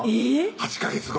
８ヵ月後？